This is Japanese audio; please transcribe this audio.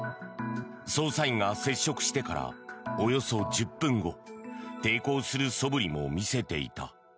捜査員が接触してからおよそ１０分後抵抗するそぶりも見せていた。